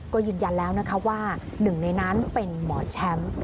ก็ยืนยันแล้วนะคะว่าหนึ่งในนั้นเป็นหมอแชมป์